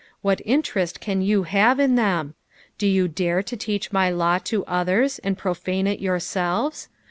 What interest can you have in them ? Do you dare to teach my law to others, and profane it yourselves